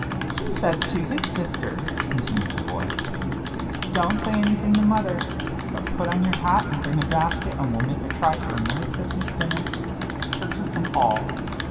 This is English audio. "He says to his sister," continued the boy, "'Don't say anything to mother, but put on your hat, and bring a basket, and we'll make a try for a merry Christmas dinner turkey and all.'